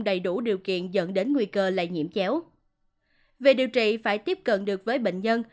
đầy đủ điều kiện dẫn đến nguy cơ lây nhiễm chéo về điều trị phải tiếp cận được với bệnh nhân